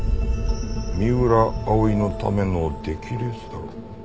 「三浦葵のための出来レースだろ」。